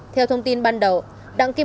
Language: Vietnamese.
theo thông tin ban đầu